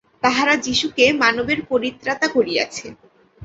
তাহারা যীশুকে মানবের পরিত্রাতা করিয়াছে।